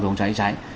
vòng cháy cháy